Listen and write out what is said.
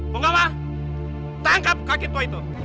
penguama tangkap kakek tua itu